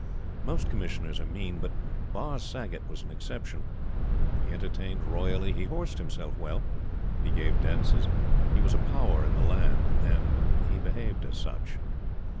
Most Commissioners are mean; but Barr Saggott was an exception. He entertained royally; he horsed himself well; he gave dances; he was a power in the land; and he behaved as such.